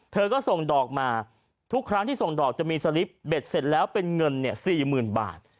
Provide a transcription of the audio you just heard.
เธอก็ส่งดอกมาทุกครั้งที่ส่งดอกจะมีสลิปเบ็ดเสร็จแล้วเป็นเงิน๔๐๐๐บาท